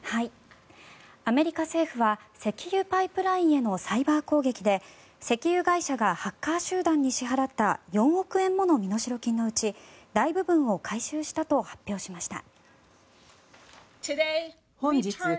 アメリカ政府は石油パイプラインへのサイバー攻撃で石油会社がハッカー集団に支払った４億円もの身代金のうち大部分を回収したと発表しました。